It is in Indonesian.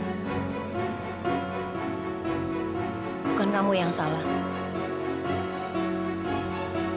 bukan kamu yang salah